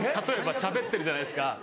例えばしゃべってるじゃないですか。